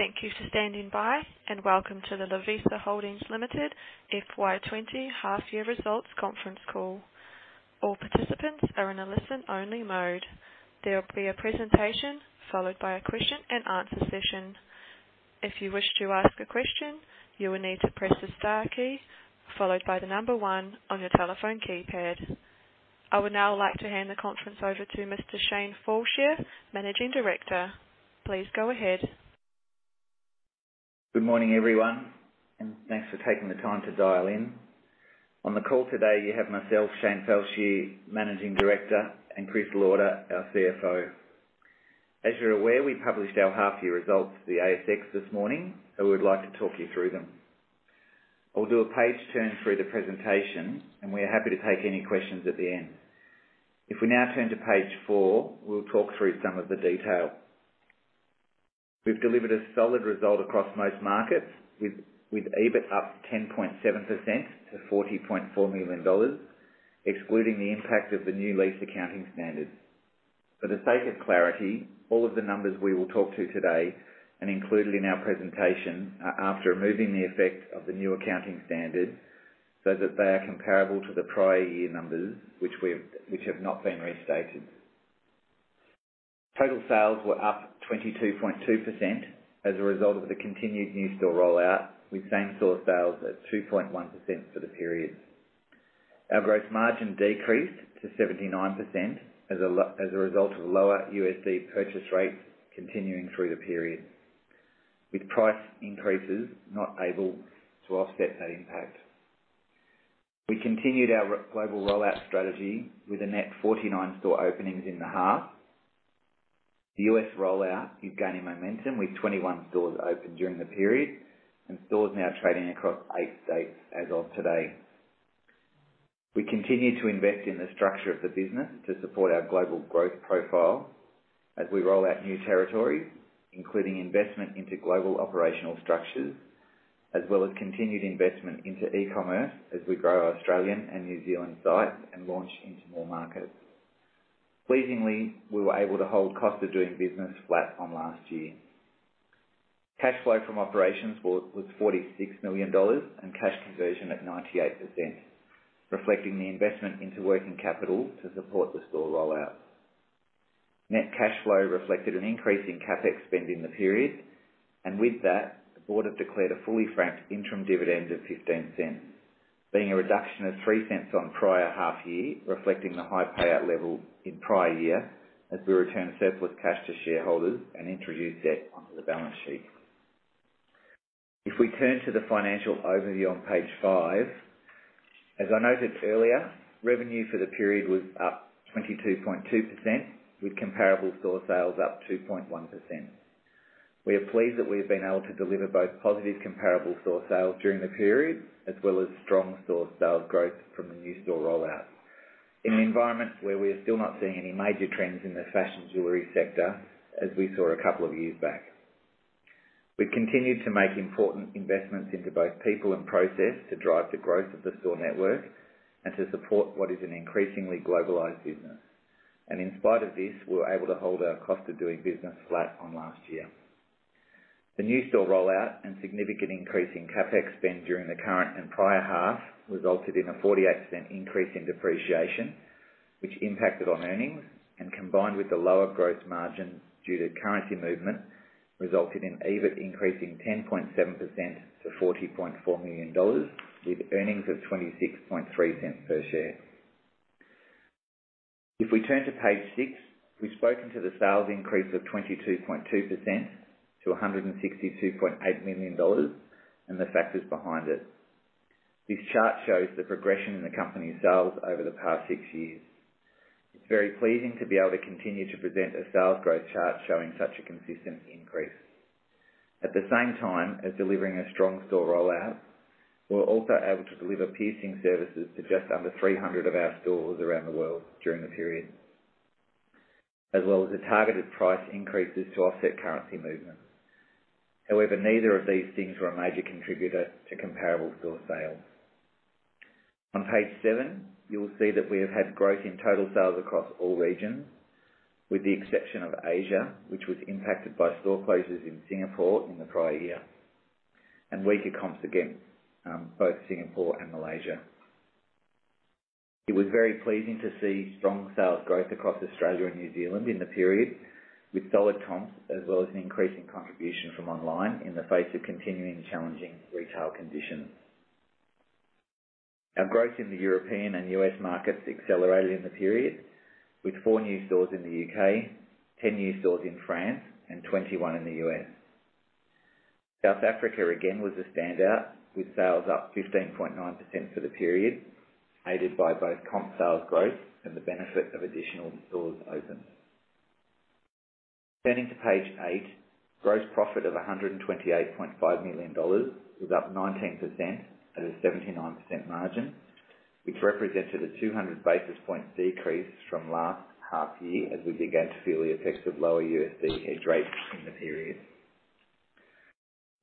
Thank you for standing by, and welcome to the Lovisa Holdings Limited FY 2020 half-year results conference call. All participants are in a listen-only mode. There will be a presentation followed by a question and answer session. If you wish to ask a question, you will need to press the star key followed by the number one on your telephone keypad. I would now like to hand the conference over to Mr. Shane Fallscheer, managing director. Please go ahead. Good morning, everyone, and thanks for taking the time to dial in. On the call today, you have myself, Shane Fallscheer, Managing Director, and Chris Lauder, our CFO. As you're aware, we published our half year results to the ASX this morning, so we'd like to talk you through them. I'll do a page turn through the presentation, and we are happy to take any questions at the end. If we now turn to page four, we'll talk through some of the detail. We've delivered a solid result across most markets with EBIT up 10.7% to 40.4 million dollars, excluding the impact of the new lease accounting standard. For the sake of clarity, all of the numbers we will talk to today and included in our presentation are after removing the effect of the new accounting standard, so that they are comparable to the prior year numbers, which have not been restated. Total sales were up 22.2% as a result of the continued new store rollout, with same-store sales at 2.1% for the period. Our gross margin decreased to 79% as a result of lower USD purchase rates continuing through the period, with price increases not able to offset that impact. We continued our global rollout strategy with a net 49 store openings in the half. The U.S. rollout is gaining momentum, with 21 stores opened during the period and stores now trading across eight states as of today. We continue to invest in the structure of the business to support our global growth profile as we roll out new territories, including investment into global operational structures, as well as continued investment into e-commerce as we grow our Australian and New Zealand sites and launch into more markets. Pleasingly, we were able to hold Cost of Doing Business flat on last year. Cash flow from operations was 46 million dollars, and cash conversion at 98%, reflecting the investment into working capital to support the store rollout. Net cash flow reflected an increase in CapEx spend in the period, and with that, the board have declared a fully franked interim dividend of 0.15, being a reduction of 0.03 on prior half year, reflecting the high payout level in prior year as we return surplus cash to shareholders and introduce debt onto the balance sheet. If we turn to the financial overview on page five, as I noted earlier, revenue for the period was up 22.2% with comparable store sales up 2.1%. We are pleased that we've been able to deliver both positive comparable store sales during the period as well as strong store sales growth from the new store rollout in an environment where we are still not seeing any major trends in the fashion jewelry sector as we saw a couple of years back. We continued to make important investments into both people and process to drive the growth of the store network and to support what is an increasingly globalized business. In spite of this, we were able to hold our Cost of Doing Business flat on last year. The new store rollout and significant increase in CapEx spend during the current and prior half resulted in a 48% increase in depreciation, which impacted on earnings, and combined with the lower growth margin due to currency movement, resulted in EBIT increasing 10.7% to 40.4 million dollars, with earnings of 0.263 per share. If we turn to page six, we've spoken to the sales increase of 22.2% to AUD 162.8 million and the factors behind it. This chart shows the progression in the company's sales over the past six years. It's very pleasing to be able to continue to present a sales growth chart showing such a consistent increase. At the same time as delivering a strong store rollout, we were also able to deliver piercing services to just under 300 of our stores around the world during the period, as well as the targeted price increases to offset currency movement. Neither of these things were a major contributor to comparable store sales. On page seven, you will see that we have had growth in total sales across all regions, with the exception of Asia, which was impacted by store closures in Singapore in the prior year and weaker comps against both Singapore and Malaysia. It was very pleasing to see strong sales growth across Australia and New Zealand in the period with solid comps, as well as an increasing contribution from online in the face of continuing challenging retail conditions. Our growth in the European and U.S. markets accelerated in the period with four new stores in the U.K., 10 new stores in France, and 21 in the U.S. South Africa, again, was a standout with sales up 15.9% for the period, aided by both comp sales growth and the benefit of additional stores open. Turning to page eight, gross profit of 128.5 million dollars was up 19% at a 79% margin, which represented a 200 basis point decrease from last half year as we began to feel the effects of lower USD hedge rates in the period.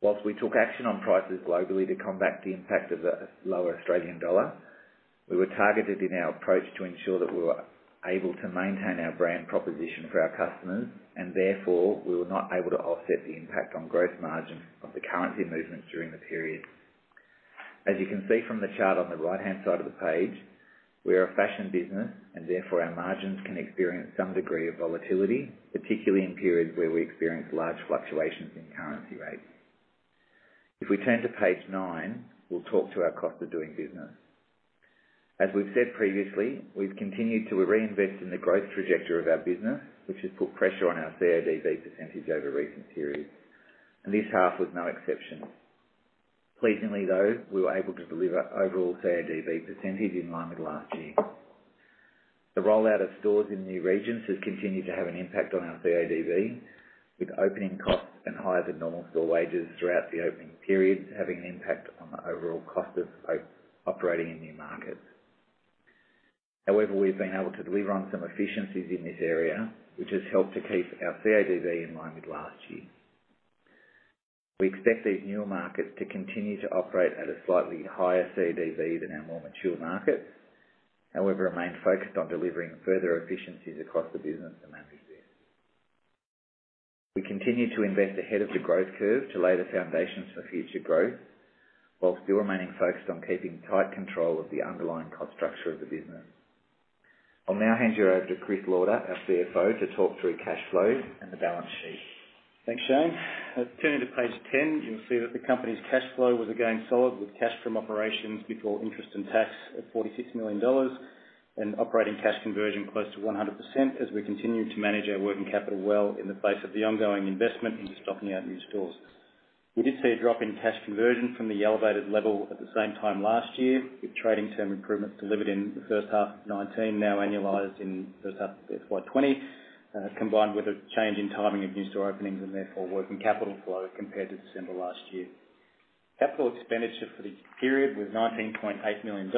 Whilst we took action on prices globally to combat the impact of the lower Australian dollar, we were targeted in our approach to ensure that we were able to maintain our brand proposition for our customers and therefore, we were not able to offset the impact on gross margin of the currency movements during the period. As you can see from the chart on the right-hand side of the page, we are a fashion business, and therefore our margins can experience some degree of volatility, particularly in periods where we experience large fluctuations in currency rates. If we turn to page nine, we'll talk to our Cost of Doing Business. As we've said previously, we've continued to reinvest in the growth trajectory of our business, which has put pressure on our CODB percentage over recent periods. This half was no exception. Pleasingly though, we were able to deliver overall CODB percentage in line with last year. The rollout of stores in new regions has continued to have an impact on our CODB, with opening costs and higher than normal store wages throughout the opening periods having an impact on the overall cost of operating in new markets. However, we've been able to deliver on some efficiencies in this area, which has helped to keep our CODB in line with last year. We expect these newer markets to continue to operate at a slightly higher CODB than our more mature markets. However, remain focused on delivering further efficiencies across the business to manage this. We continue to invest ahead of the growth curve to lay the foundations for future growth, while still remaining focused on keeping tight control of the underlying cost structure of the business. I'll now hand you over to Chris Lauder, our CFO, to talk through cash flows and the balance sheet. Thanks, Shane. Let's turn to page 10. You'll see that the company's cash flow was again solid with cash from operations before interest and tax of 46 million dollars and operating cash conversion close to 100% as we continue to manage our working capital well in the face of the ongoing investment into stocking out new stores. We did see a drop in cash conversion from the elevated level at the same time last year, with trading term improvements delivered in the first half of 2019, now annualized in first half of FY 2020, combined with a change in timing of new store openings and therefore working capital flow compared to December last year. Capital expenditure for this period was AUD 19.8 million,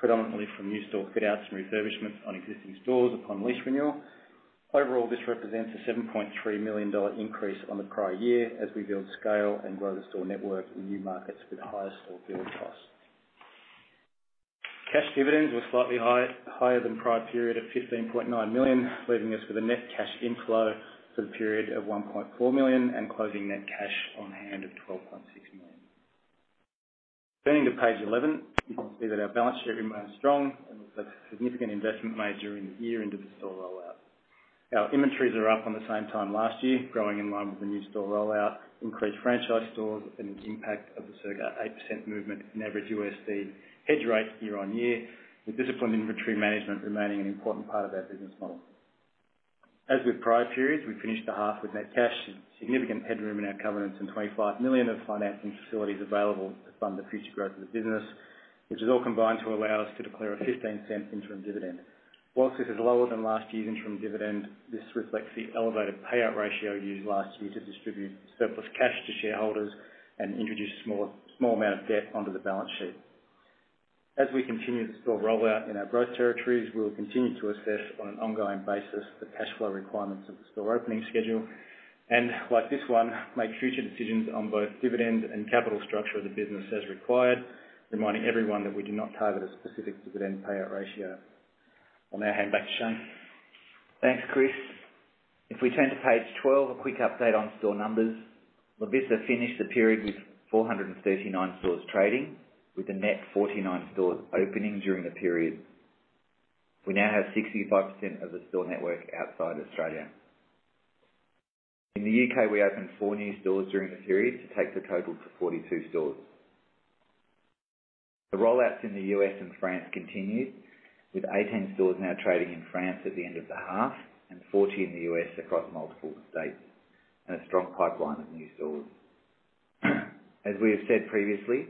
predominantly from new store fit-outs and refurbishments on existing stores upon lease renewal. Overall, this represents an 7.3 million dollar increase on the prior year as we build scale and grow the store network in new markets with higher store build costs. Cash dividends were slightly higher than the prior period of 15.9 million, leaving us with a net cash inflow for the period of 1.4 million and closing net cash on hand of 12.6 million. Turning to page 11, you can see that our balance sheet remains strong and reflects the significant investment made during the year into the store rollout. Our inventories are up on the same time last year, growing in line with the new store rollout, increased franchise stores, and the impact of the circa 8% movement in average USD hedge rate year-on-year, with disciplined inventory management remaining an important part of our business model. As with prior periods, we finished the half with net cash and significant headroom in our covenants and 25 million of financing facilities available to fund the future growth of the business, which is all combined to allow us to declare a 0.15 interim dividend. While this is lower than last year's interim dividend, this reflects the elevated payout ratio used last year to distribute surplus cash to shareholders and introduce a small amount of debt onto the balance sheet. As we continue the store rollout in our growth territories, we will continue to assess on an ongoing basis the cash flow requirements of the store opening schedule. Like this one, make future decisions on both dividends and capital structure of the business as required, reminding everyone that we do not target a specific dividend payout ratio. I'll now hand back to Shane. Thanks, Chris. If we turn to page 12, a quick update on store numbers. Lovisa finished the period with 439 stores trading, with a net 49 stores opening during the period. We now have 65% of the store network outside Australia. In the U.K., we opened four new stores during the period to take the total to 42 stores. The rollouts in the U.S. and France continued, with 18 stores now trading in France at the end of the half and 40 in the U.S. across multiple states, and a strong pipeline of new stores. As we have said previously,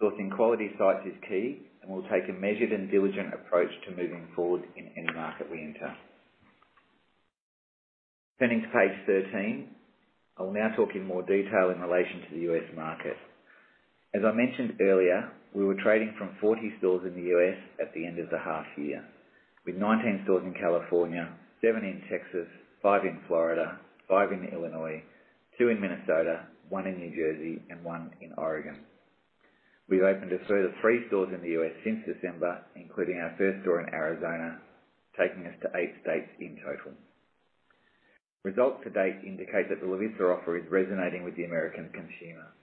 sourcing quality sites is key, and we'll take a measured and diligent approach to moving forward in any market we enter. Turning to page 13, I'll now talk in more detail in relation to the U.S. market. As I mentioned earlier, we were trading from 40 stores in the U.S. at the end of the half year, with 19 stores in California, seven in Texas, five in Florida, five in Illinois, two in Minnesota, one in New Jersey, and one in Oregon. We've opened a further three stores in the U.S. since December, including our first store in Arizona, taking us to eight states in total. Results to date indicate that the Lovisa offer is resonating with the American consumer.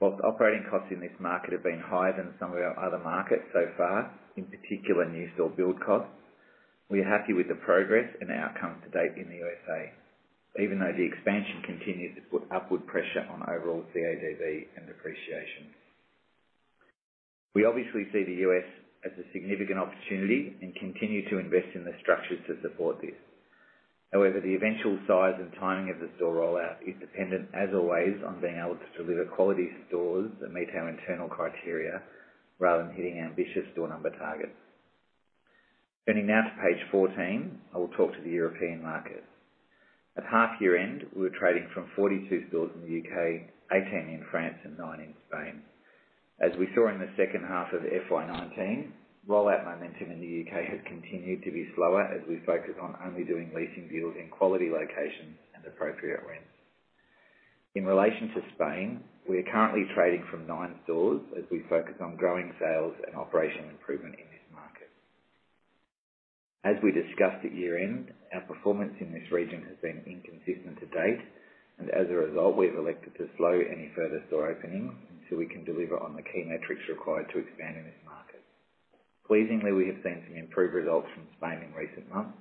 Whilst operating costs in this market have been higher than some of our other markets so far, in particular new store build costs, we are happy with the progress and outcome to date in the USA, even though the expansion continued to put upward pressure on overall CODB and depreciation. We obviously see the U.S. as a significant opportunity and continue to invest in the structures to support this. The eventual size and timing of the store rollout is dependent, as always, on being able to deliver quality stores that meet our internal criteria, rather than hitting ambitious store number targets. Turning now to page 14, I will talk to the European market. At half year-end, we were trading from 42 stores in the U.K., 18 in France, and nine in Spain. As we saw in the second half of FY 2019, rollout momentum in the U.K. has continued to be slower as we focus on only doing leasing deals in quality locations and appropriate rent. In relation to Spain, we are currently trading from nine stores as we focus on growing sales and operational improvement in this market. As we discussed at year-end, our performance in this region has been inconsistent to date, and as a result, we've elected to slow any further store openings until we can deliver on the key metrics required to expand in this market. Pleasingly, we have seen some improved results from Spain in recent months,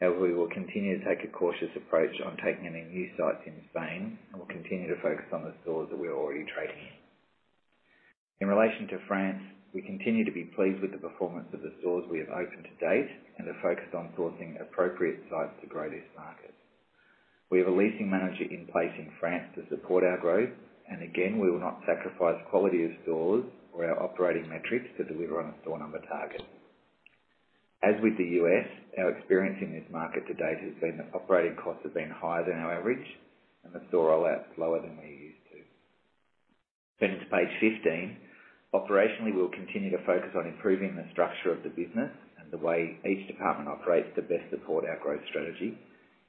and we will continue to take a cautious approach on taking any new sites in Spain and will continue to focus on the stores that we are already trading in. In relation to France, we continue to be pleased with the performance of the stores we have opened to date and are focused on sourcing appropriate sites to grow this market. We have a leasing manager in place in France to support our growth, and again, we will not sacrifice quality of stores or our operating metrics to deliver on a store number target. As with the U.S., our experience in this market to date has been that operating costs have been higher than our average and the store rollout is lower than we're used to. To page 15. Operationally, we'll continue to focus on improving the structure of the business and the way each department operates to best support our growth strategy,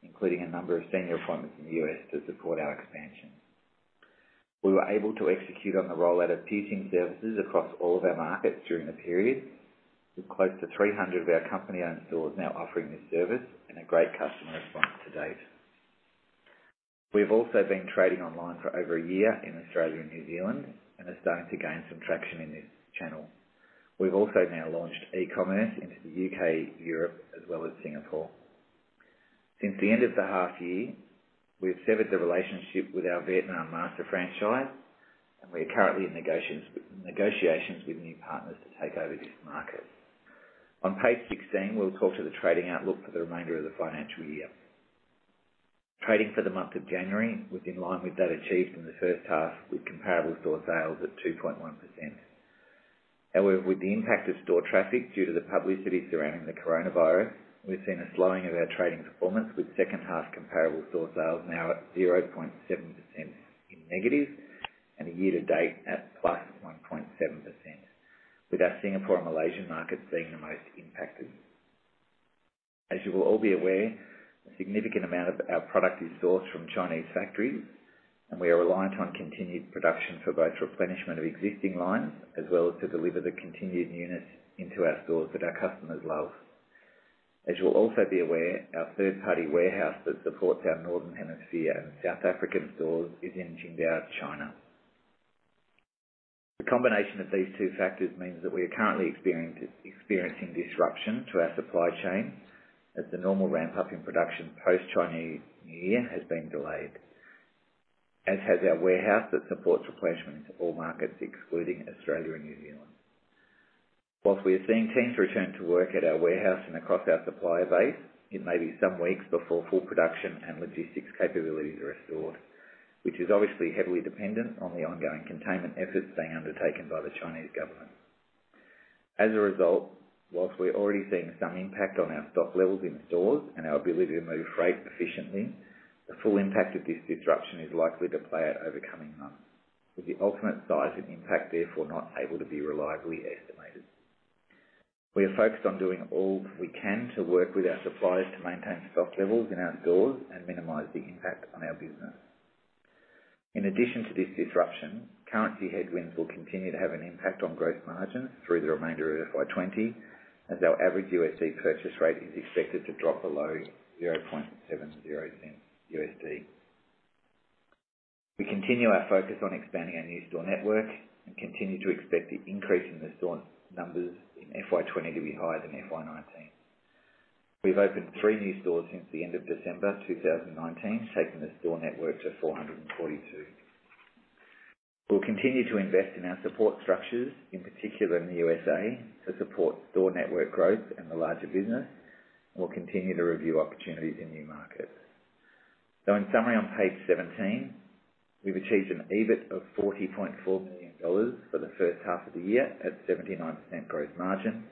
including a number of senior appointments in the U.S. to support our expansion. We were able to execute on the rollout of piercing services across all of our markets during the period, with close to 300 of our company-owned stores now offering this service and a great customer response to date. We've also been trading online for over a year in Australia and New Zealand and are starting to gain some traction in this channel. We've also now launched e-commerce into the U.K., Europe, as well as Singapore. Since the end of the half year, we've severed the relationship with our Vietnam master franchise, and we are currently in negotiations with new partners to take over this market. On page 16, we'll talk to the trading outlook for the remainder of the financial year. Trading for the month of January was in line with that achieved in the first half with comparable store sales at 2.1%. However, with the impact of store traffic due to the publicity surrounding the coronavirus, we've seen a slowing of our trading performance with second half comparable store sales now at 0.7% in negative and a year to date at +1.7%, with our Singapore and Malaysian markets being the most impacted. As you will all be aware, a significant amount of our product is sourced from Chinese factories, and we are reliant on continued production for both replenishment of existing lines, as well as to deliver the continued units into our stores that our customers love. As you will also be aware, our third-party warehouse that supports our Northern Hemisphere and South African stores is in Qingdao, China. The combination of these two factors means that we are currently experiencing disruption to our supply chain as the normal ramp-up in production post-Chinese New Year has been delayed, as has our warehouse that supports replenishment to all markets, excluding Australia and New Zealand. Whilst we are seeing teams return to work at our warehouse and across our supplier base, it may be some weeks before full production and logistics capabilities are restored, which is obviously heavily dependent on the ongoing containment efforts being undertaken by the Chinese government. As a result, whilst we're already seeing some impact on our stock levels in stores and our ability to move freight efficiently, the full impact of this disruption is likely to play out over coming months with the ultimate size and impact therefore not able to be reliably estimated. We are focused on doing all we can to work with our suppliers to maintain stock levels in our stores and minimize the impact on our business. In addition to this disruption, currency headwinds will continue to have an impact on gross margin through the remainder of FY 2020 as our average USD purchase rate is expected to drop below $0.70. We continue our focus on expanding our new store network and continue to expect the increase in the store numbers in FY 2020 to be higher than FY 2019. We've opened three new stores since the end of December 2019, taking the store network to 442. We'll continue to invest in our support structures, in particular in the U.S.A., to support store network growth and the larger business, and we'll continue to review opportunities in new markets. In summary, on page 17, we've achieved an EBIT of AUD 40.4 million for the first half of the year at 79% gross margin,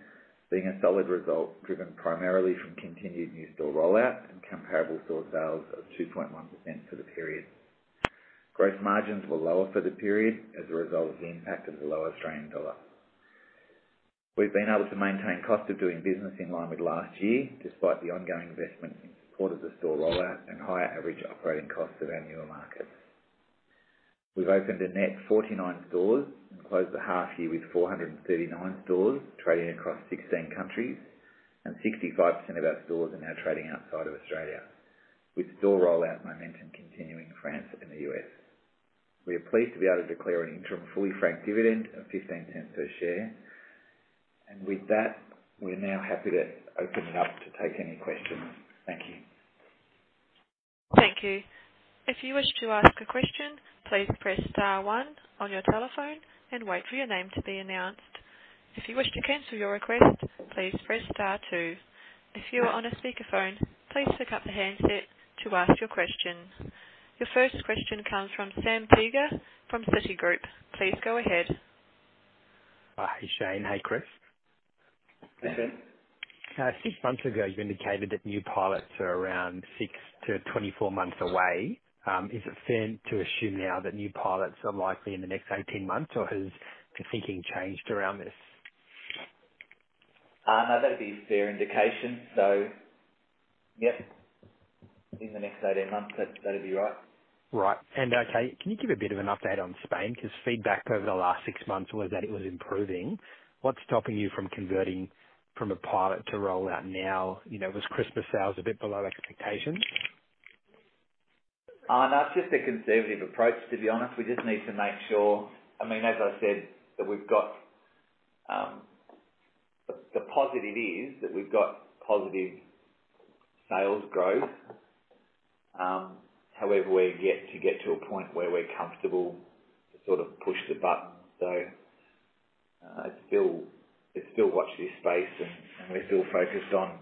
being a solid result driven primarily from continued new store rollout and comparable store sales of 2.1% for the period. Gross margins were lower for the period as a result of the impact of the low Australian dollar. We've been able to maintain Cost of Doing Business in line with last year, despite the ongoing investment in support of the store rollout and higher average operating costs of our newer markets. We've opened a net 49 stores and closed the half year with 439 stores trading across 16 countries, and 65% of our stores are now trading outside of Australia. With store rollout momentum continuing in France and the U.S. We are pleased to be able to declare an interim fully franked dividend of 0.15 per share. With that, we are now happy to open it up to take any questions. Thank you. Thank you. If you wish to ask a question, please press star one on your telephone and wait for your name to be announced. If you wish to cancel your request, please press star two. If you are on a speakerphone, please pick up the handset to ask your question. Your first question comes from Sam Teeger from Citigroup. Please go ahead. Hi, Shane. Hi, Chris. Six months ago, you indicated that new pilots are around 6-24 months away. Is it fair to assume now that new pilots are likely in the next 18 months, or has your thinking changed around this? No, that'd be a fair indication. Yes, in the next 18 months, that'd be right. Right. Okay, can you give a bit of an update on Spain? Because feedback over the last six months was that it was improving. What's stopping you from converting from a pilot to rollout now? Was Christmas sales a bit below expectations? No, it's just a conservative approach, to be honest. We just need to make sure. As I said, the positive is that we've got positive sales growth. However, we're yet to get to a point where we're comfortable to push the button. It's still watch this space, and we're still focused on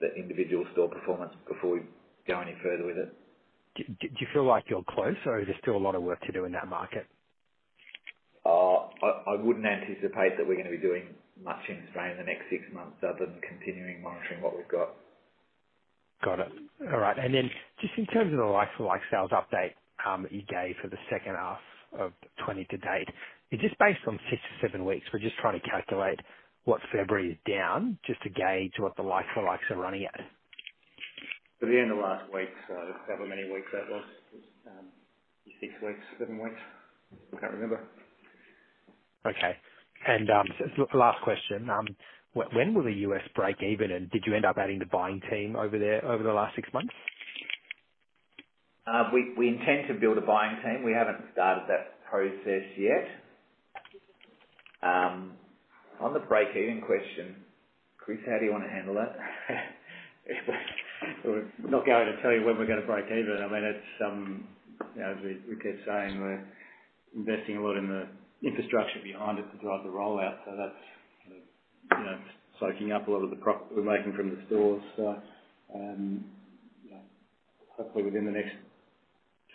the individual store performance before we go any further with it. Do you feel like you're close, or is there still a lot of work to do in that market? I wouldn't anticipate that we're going to be doing much in Spain in the next six months other than continuing monitoring what we've got. Got it. All right. Just in terms of the like-for-like sales update you gave for the second half of 2020 to date, just based on six to seven weeks, we're just trying to calculate what February is down just to gauge what the like-for-likes are running at. At the end of last week, so however many weeks that was. Six weeks, seven weeks, I can't remember. Okay. Last question, when will the U.S. break even, and did you end up adding the buying team over there over the last six months? We intend to build a buying team. We haven't started that process yet. On the break-even question, Chris, how do you want to handle that? We're not going to tell you when we're going to break even. As we keep saying, we're investing a lot in the infrastructure behind it to drive the rollout. That's soaking up a lot of the profit we're making from the stores. Hopefully, within the next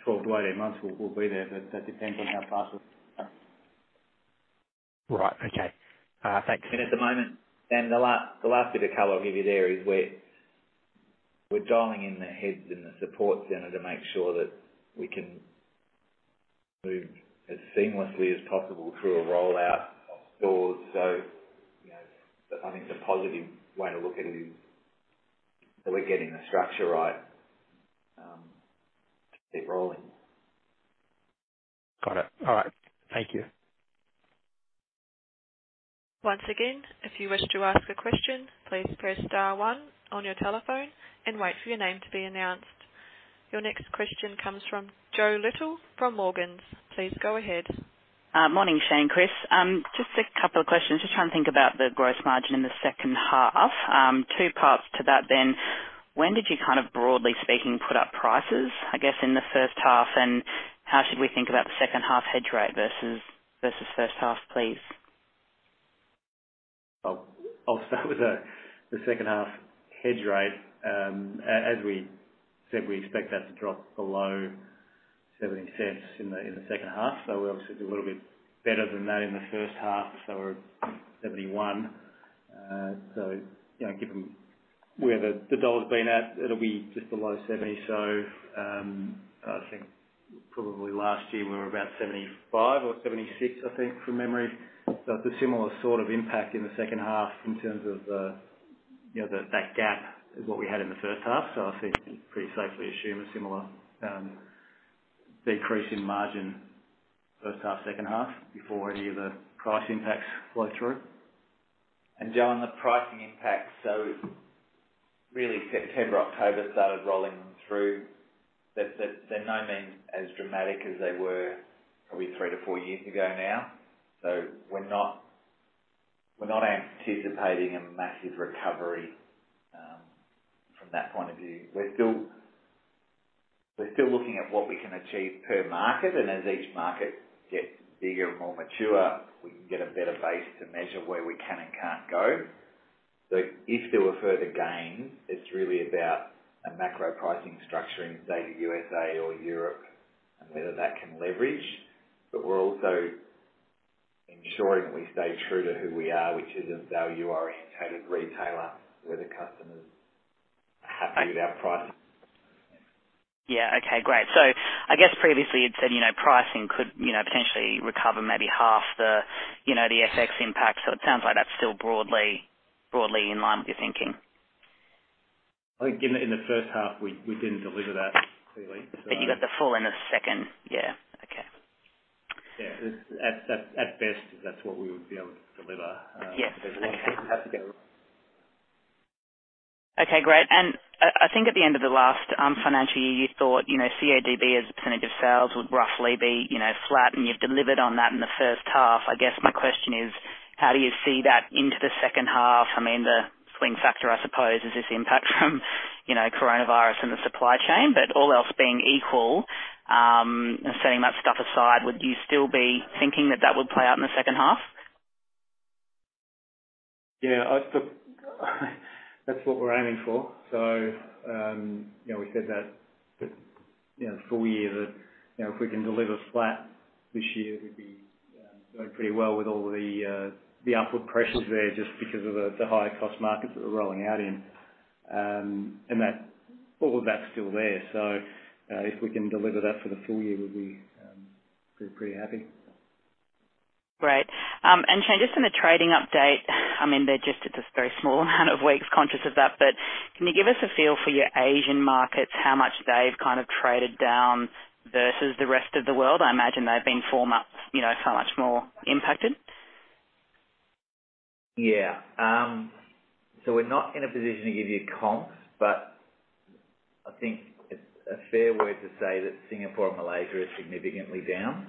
12 to 18 months, we'll be there, but that depends on how fast. Right. Okay. Thanks. At the moment, the last bit of color I'll give you there is we're dialing in the heads in the support center to make sure that we can move as seamlessly as possible through a rollout of stores. I think the positive way to look at it is that we're getting the structure right to keep rolling. Got it. All right. Thank you. Once again, if you wish to ask a question, please press star one on your telephone and wait for your name to be announced. Your next question comes from Josephine Little from Morgans. Please go ahead. Morning, Shane, Chris. Just a couple of questions. Just trying to think about the gross margin in the second half. Two parts to that then. When did you kind of broadly speaking put up prices, I guess, in the first half, and how should we think about the second half hedge rate versus first half, please? I'll start with the second half hedge rate. We expect that to drop below $0.70 In the second half, we obviously did a little bit better than that in the first half. We're at $0.71. Given where the dollar's been at, it'll be just below $0.70. I think probably last year we were about $0.75 or $0.76, from memory. It's a similar sort of impact in the second half in terms of that gap is what we had in the first half. I think you can pretty safely assume a similar decrease in margin first half, second half, before any of the price impacts flow through. Jo, on the pricing impact, really September, October started rolling them through. They're by no means as dramatic as they were probably three to four years ago now. We're not anticipating a massive recovery from that point of view. We're still looking at what we can achieve per market, and as each market gets bigger and more mature, we can get a better base to measure where we can and can't go. If there were further gains, it's really about a macro pricing structure in say, the U.S.A. or Europe, and whether that can leverage. We're also ensuring that we stay true to who we are, which is a value-oriented retailer, whether customers are happy with our pricing. Yeah. Okay, great. I guess previously you'd said pricing could potentially recover maybe half the FX impact. It sounds like that's still broadly in line with your thinking. I think in the first half we didn't deliver that clearly. You got the full in the second. Yeah. Okay. Yeah. At best, that's what we would be able to deliver. Yes. You have to get. Okay, great. I think at the end of the last financial year, you thought CODB as a percentage of sales would roughly be flat, and you've delivered on that in the first half. I guess my question is, how do you see that into the second half? The swing factor, I suppose, is this impact from coronavirus and the supply chain. All else being equal, setting that stuff aside, would you still be thinking that that would play out in the second half? Yeah. That's what we're aiming for. We said that the full year that if we can deliver flat this year, we'd be doing pretty well with all the upward pressures there just because of the higher cost markets that we're rolling out in. All of that's still there. If we can deliver that for the full year, we'll be pretty happy. Great. Shane, just on the trading update, it's a very small amount of weeks, conscious of that, but can you give us a feel for your Asian markets, how much they've kind of traded down versus the rest of the world? I imagine they've been far much more impacted. Yeah. We're not in a position to give you comps, but I think it's a fair way to say that Singapore and Malaysia are significantly down.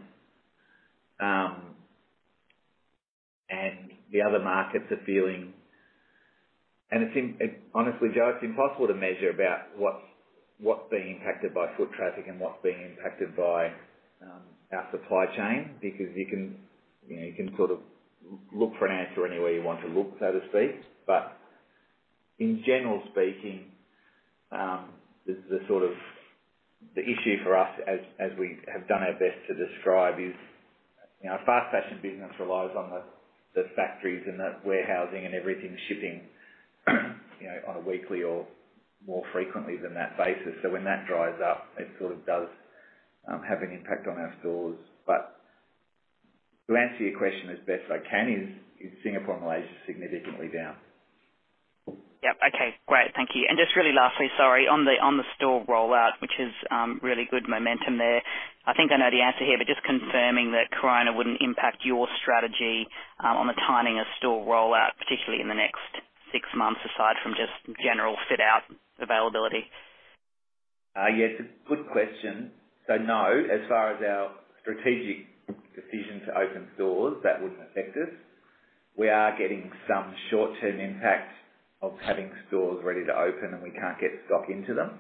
Honestly, Josephine, it's impossible to measure about what's being impacted by foot traffic and what's being impacted by our supply chain, because you can sort of look for an answer anywhere you want to look, so to speak. In general speaking, the issue for us as we have done our best to describe is, our fast fashion business relies on the factories and the warehousing and everything shipping on a weekly or more frequently than that basis. When that dries up, it sort of does have an impact on our stores. To answer your question as best I can is, Singapore and Malaysia are significantly down. Yep. Okay. Great. Thank you. Just really lastly, sorry, on the store rollout, which is really good momentum there. I think I know the answer here, but just confirming that coronavirus wouldn't impact your strategy on the timing of store rollout, particularly in the next six months, aside from just general fit-out availability. Yeah, it's a good question. No, as far as our strategic decision to open stores, that wouldn't affect us. We are getting some short-term impact of having stores ready to open, and we can't get stock into them.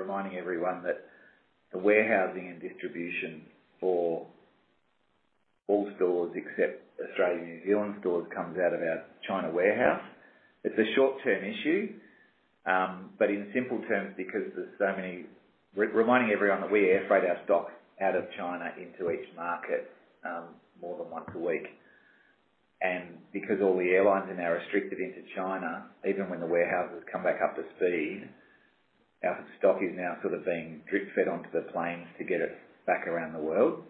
Reminding everyone that the warehousing and distribution for all stores, except Australia and New Zealand stores, comes out of our China warehouse. It's a short-term issue, but in simple terms, because there's so many. Reminding everyone that we air freight our stock out of China into each market, more than once a week. Because all the airlines are now restricted into China, even when the warehouses come back up to speed, our stock is now sort of being drip-fed onto the planes to get it back around the world.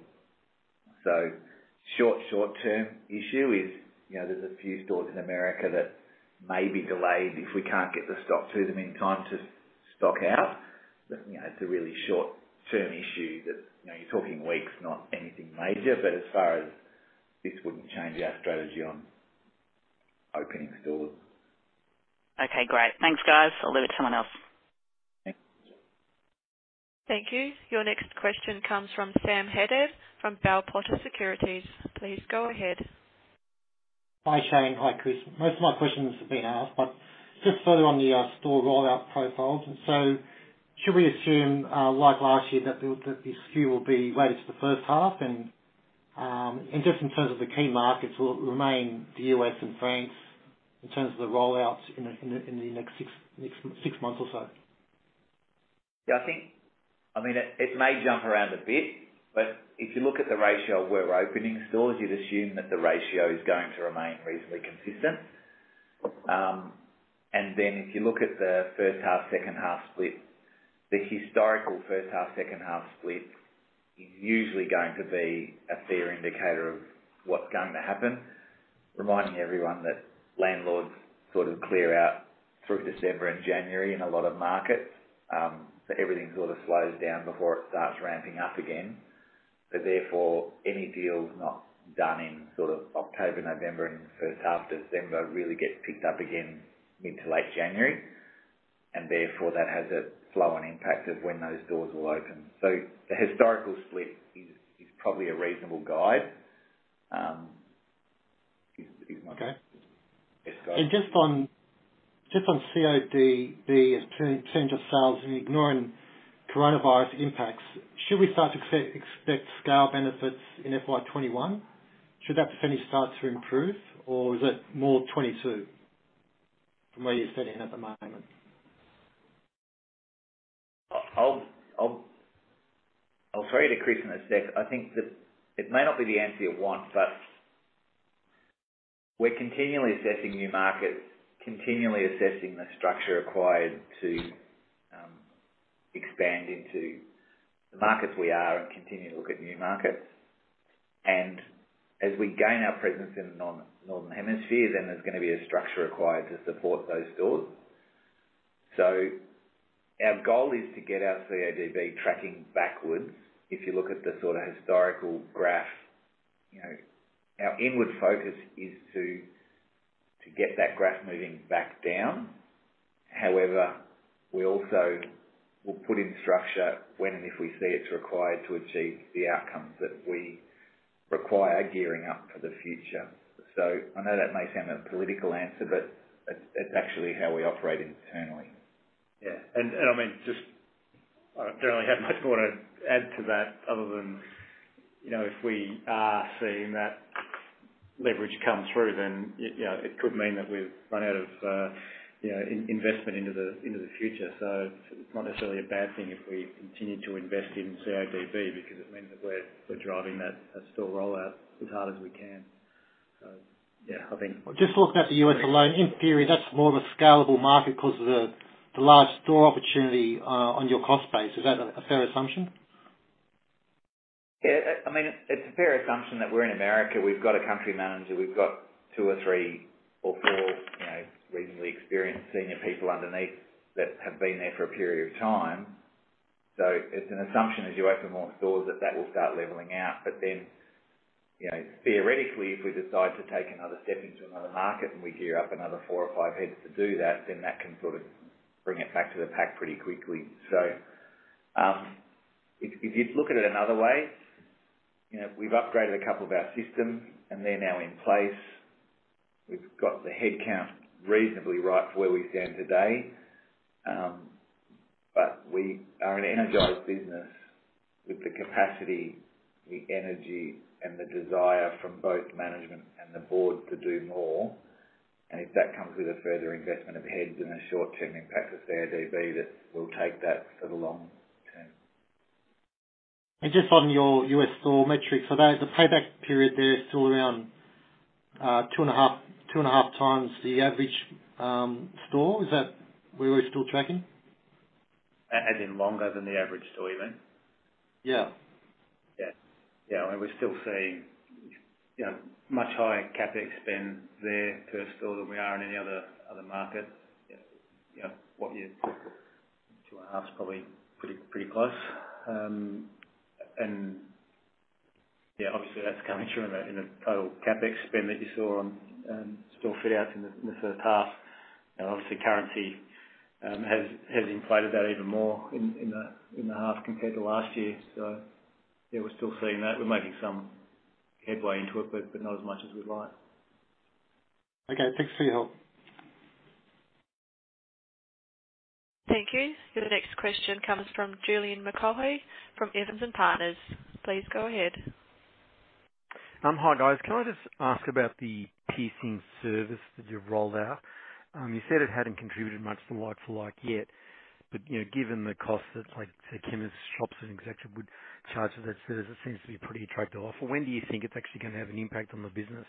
Short-term issue is there's a few stores in America that may be delayed if we can't get the stock to them in time to stock out. It's a really short-term issue that you're talking weeks, not anything major. As far as this wouldn't change our strategy on opening stores. Okay, great. Thanks, guys. I'll leave it to someone else. Thanks. Thank you. Your next question comes from Sam Haddad from Bell Potter Securities. Please go ahead. Hi, Shane. Hi, Chris. Most of my questions have been asked, but just further on the store rollout profiles. Should we assume, like last year, that the SKU will be weighted to the first half? Just in terms of the key markets, will it remain the U.S. and France in terms of the rollouts in the next six months or so? I think it may jump around a bit, if you look at the ratio of where we're opening stores, you'd assume that the ratio is going to remain reasonably consistent. If you look at the first half, second half split, the historical first half, second half split is usually going to be a fair indicator of what's going to happen. Reminding everyone that landlords sort of clear out through December and January in a lot of markets, everything sort of slows down before it starts ramping up again. Any deals not done in sort of October, November and the first half December really get picked up again mid to late January, and therefore that has a flow on impact of when those stores will open. The historical split is probably a reasonable guide. Okay. Yes, go ahead. Just on CODB, the percentage of sales and ignoring coronavirus impacts, should we start to expect scale benefits in FY 2021? Should that percentage start to improve, or is it more 2022 from where you're sitting at the moment? I'll throw you to Chris in a sec. I think that it may not be the answer you want, we're continually assessing new markets, continually assessing the structure required to expand into the markets we are and continue to look at new markets. As we gain our presence in the northern hemisphere, there's going to be a structure required to support those stores. Our goal is to get our CODB tracking backwards. If you look at the sort of historical graph, our inward focus is to get that graph moving back down. However, we also will put in structure when and if we see it's required to achieve the outcomes that we require gearing up for the future. I know that may sound a political answer, that's actually how we operate internally. Yeah. I don't really have much more to add to that other than if we are seeing that leverage come through, then it could mean that we've run out of investment into the future. It's not necessarily a bad thing if we continue to invest in CODB because it means that we're driving that store rollout as hard as we can. Just talking about the U.S. alone, in theory, that's more of a scalable market because of the large store opportunity on your cost base. Is that a fair assumption? Yeah, it's a fair assumption that we're in America, we've got a country manager, we've got two or three or four reasonably experienced senior people underneath that have been there for a period of time. It's an assumption as you open more stores that that will start leveling out. Theoretically, if we decide to take another step into another market and we gear up another four or five heads to do that, then that can bring it back to the pack pretty quickly. If you'd look at it another way, we've upgraded a couple of our systems and they're now in place. We've got the headcount reasonably right for where we stand today. We are an energized business with the capacity, the energy, and the desire from both management and the board to do more. If that comes with a further investment of heads and a short-term impact to CODB, then we'll take that for the long term. Just on your U.S. store metrics, are those the payback period there still around 2.5 x the average store? Is that where we're still tracking? As in longer than the average store, you mean? Yeah. Yeah. We're still seeing much higher CapEx spend there per store than we are in any other market. 2.5 is probably pretty close. Obviously that's coming through in the total CapEx spend that you saw on store fit outs in the first half. Obviously currency has inflated that even more in the half compared to last year. Yeah, we're still seeing that. We're making some headway into it, but not as much as we'd like. Okay. Thanks for your help. Thank you. The next question comes from Julian Mulcahy from Evans & Partners. Please go ahead. Hi, guys. Can I just ask about the piercing service that you've rolled out? You said it hadn't contributed much to like for like yet, but given the cost that like the chemist shops and et cetera would charge for that service, it seems to be a pretty attractive offer. When do you think it's actually going to have an impact on the business?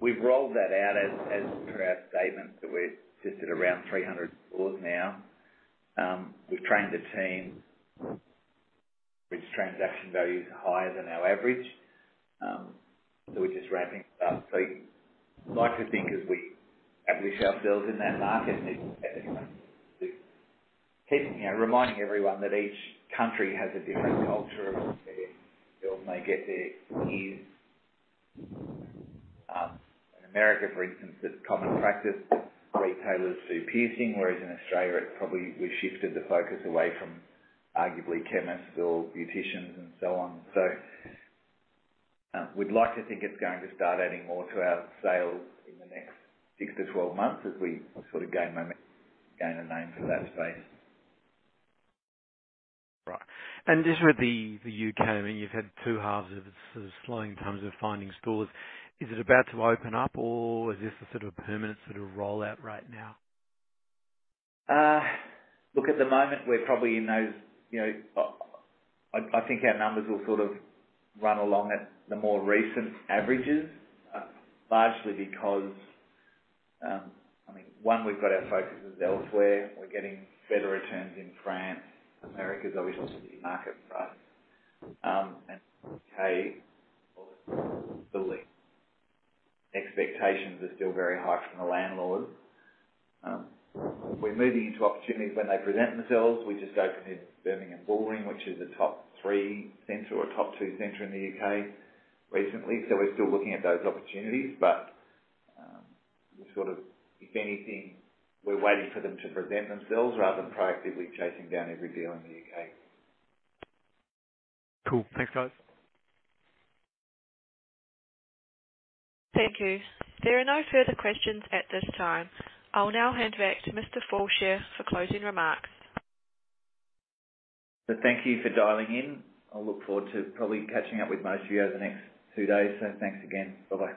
We've rolled that out as per our statement, we're just at around 300 stores now. We've trained the team, which transaction value is higher than our average. We're just ramping up. Like to think as we establish ourselves in that market reminding everyone that each country has a different culture of where they get their ears pierced. In America, for instance, it's common practice, retailers do piercing, whereas in Australia, we've shifted the focus away from arguably chemists or beauticians and so on. We'd like to think it's going to start adding more to our sales in the next 6-12 months as we gain a name for that space. Right. Just with the U.K., you've had 2/2 of sort of slowing in terms of finding stores. Is it about to open up or is this a permanent sort of rollout right now? Look, at the moment, we're probably in those I think our numbers will run along at the more recent averages, largely because, one, we've got our focuses elsewhere. We're getting better returns in France. America's obviously a city market price. The U.K. expectations are still very high from the landlords. We're moving into opportunities when they present themselves. We just opened in Birmingham Bullring, which is a top three center or top two center in the U.K. recently. We're still looking at those opportunities, but if anything, we're waiting for them to present themselves rather than proactively chasing down every deal in the U.K. Cool. Thanks, guys. Thank you. There are no further questions at this time. I'll now hand back to Mr. Fallscheer for closing remarks. Thank you for dialing in. I'll look forward to probably catching up with most of you over the next two days. Thanks again. Bye-bye.